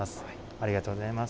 ありがとうございます。